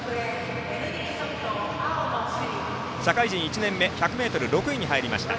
青野朱李、社会人１年目１００ｍ６位に入りました。